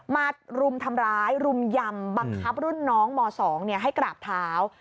รุมทำร้ายรุมยำบังคับรุ่นน้องม๒ให้กราบเท้า